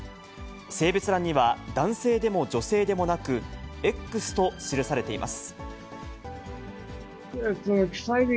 性別欄には男性でも女性でもなく、Ｘと記されています。